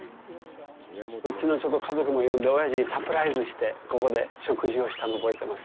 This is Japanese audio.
うちの家族も呼んで、おやじにサプライズして、ここで食事をしたのを覚えてます。